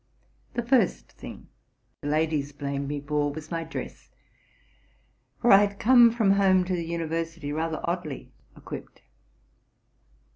The first thing the ladies blamed me for was my dress, for I had come from home to the university rather oddly equipped.